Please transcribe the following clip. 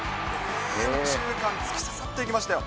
右中間、突き刺さっていきましたよ。